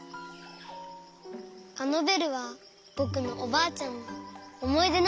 あのベルはぼくのおばあちゃんのおもいでなんだ。